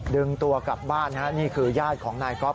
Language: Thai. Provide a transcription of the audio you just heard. ดึงตัวกลับบ้านนี่คือญาติของนายก๊อฟ